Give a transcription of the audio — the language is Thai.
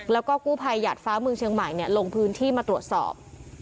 แล้วก็กู้ภัยหยาดฟ้าเมืองเชียงใหม่ลงพื้นที่มาตรวจสอบ